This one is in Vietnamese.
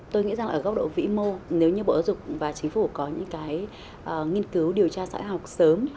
tôi nghĩ rằng ở góc độ vĩ mô nếu như bộ giáo dục và chính phủ có những cái nghiên cứu điều tra sãi học sớm